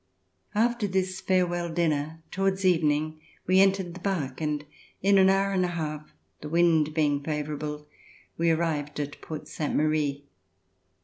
After this farewell dinner, towards evening, we entered the bark, and in an hour and a half, the wind being favor able, we arrived at Port Sainte Marie.